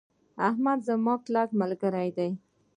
احمد زما کلک ملګری ده.